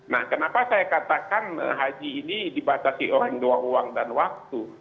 nah kenapa saya katakan haji ini dibatasi oleh dua uang dan waktu